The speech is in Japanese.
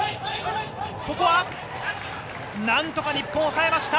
ここはなんとか日本、抑えました。